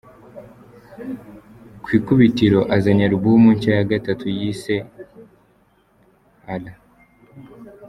Ku ikubitiro azanye album nshya ya Gatatu yise L.